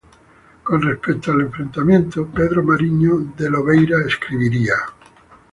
Con respecto al enfrentamiento, Pedro Mariño de Lobeira escribiría:.